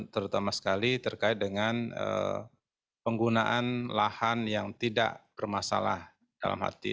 terutama sekali terkait dengan penggunaan lahan yang tidak bermasalah dalam hati